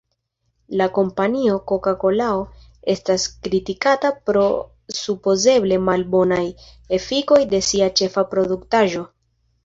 La kompanio Koka-Kolao estas kritikata pro supozeble malbonaj efikoj de sia ĉefa produktaĵo.